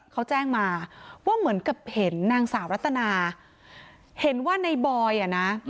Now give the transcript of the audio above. เขาแจ้งมาว่าเหมือนกับเห็นนางสาวรัตนาเห็นว่าในบอยอ่ะนะ